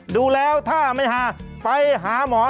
ดูแล้วถ้าไม่หาไปหาหมอ